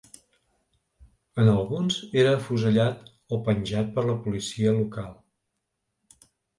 En alguns era afusellat o penjat per la policia local.